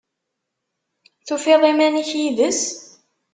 Tufiḍ iman-ik yid-s?